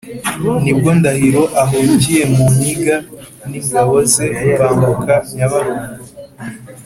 nibwo ndahiro ahungiye mu nkiga n’ingabo ze bambuka nyabarongo.